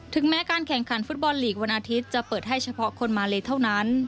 แม้การแข่งขันฟุตบอลลีกวันอาทิตย์จะเปิดให้เฉพาะคนมาเลเท่านั้น